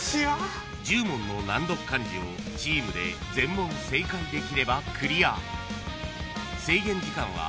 ［１０問の難読漢字をチームで全問正解できればクリア］